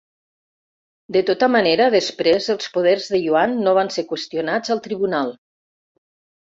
De tota manera després els poders de Yuan no van ser qüestionats al tribunal.